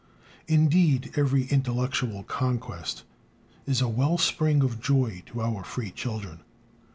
Indeed, every intellectual conquest is a wellspring of joy to our free children.